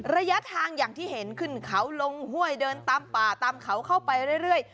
ระยะทางอย่างที่เห็นขึ้นเขาลงห้วยเดินตามป่าตามเขาเข้าไปเรื่อย